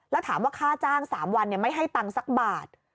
แล้วถามว่าค่าจ้าง๓วันไม่ให้ตังค์สักบาท